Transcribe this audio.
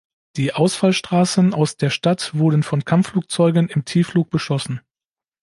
Die Ausfallstraßen aus der Stadt wurden von Kampfflugzeugen im Tiefflug beschossen.